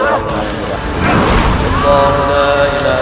walaupun saat sebelumnya adaability yang tidak altijd tenemos